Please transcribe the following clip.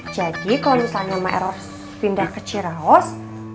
jadi kalau misalnya mak eros pindah ke ciraos